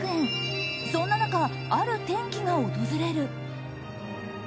そんな中、ある転機が訪れる。